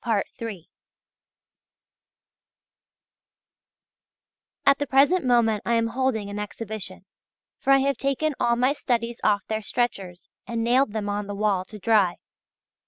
At the present moment I am holding an exhibition, for I have taken all my studies off their stretchers, and nailed them on the wall to dry.